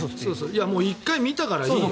１回見たからいいよ。